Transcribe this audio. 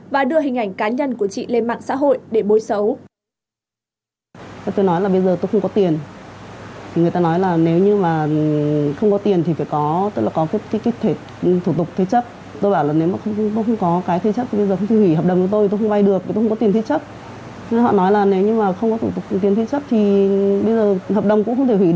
và đưa hình ảnh cá nhân của chị lên mạng